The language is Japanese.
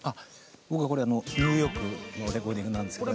僕はこれニューヨークのレコーディングなんですけど。